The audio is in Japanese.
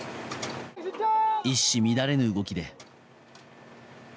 一糸乱れぬ動きで。